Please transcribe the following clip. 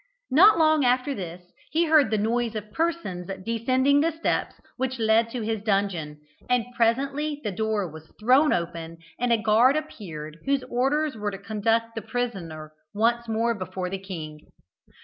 Not long after this, he heard the noise of persons descending the steps which led to his dungeon, and presently the door was thrown open, and a guard appeared, whose orders were to conduct the prisoner once more before the king.